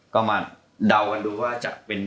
ก็มาเดากันดูว่าจะเป็น